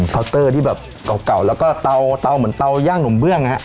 เตอร์ที่แบบเก่าแล้วก็เตาเหมือนเตาย่างหนุ่มเบื้อง